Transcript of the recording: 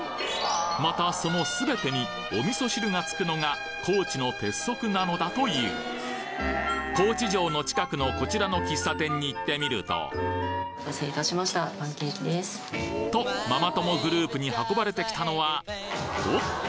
またそのすべてにお味噌汁がつくのが高知の鉄則なのだという高知城の近くのこちらの喫茶店に行ってみるととママ友グループに運ばれてきたのはおっと